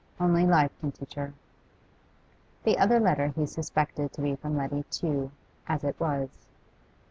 'Only life can teach her.' The other letter he suspected to be from Letty Tew, as it was.